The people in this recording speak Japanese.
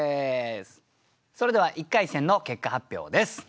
それでは１回戦の結果発表です。